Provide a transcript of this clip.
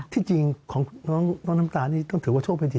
ที่จริงของน้องน้ำตาลนี่ต้องถือว่าโชคดี